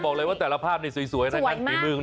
บอกเลยว่าแต่ละภาพสวยในท่านที่มึง